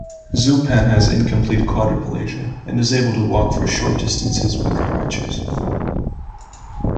Zupan has incomplete quadriplegia and is able to walk for short distances with crutches.